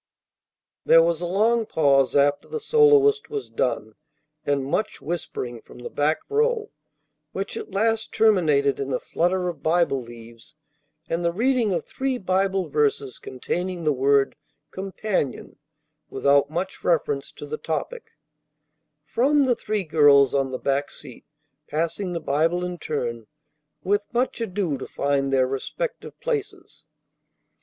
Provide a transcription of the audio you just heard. There was a long pause after the soloist was done, and much whispering from the back row, which at last terminated in a flutter of Bible leaves and the reading of three Bible verses containing the word "companion," without much reference to the topic, from the three girls on the back seat, passing the Bible in turn, with much ado to find their respective places.